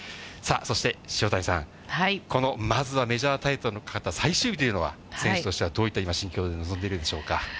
そして塩谷さん、このまずはメジャータイトルのかかった最終日というのは、選手としては今、どういった心境で臨んでいるんでしょうか。